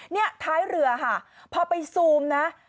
นี่ท้ายเรือค่ะพอไปซูมนะ